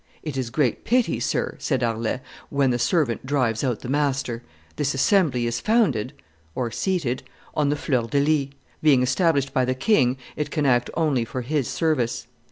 "It is great pity, sir," said Harlay, "when the servant drives out the master; this assembly is founded (seated) on the fleur de lis; being established by the king, it can act only for his service.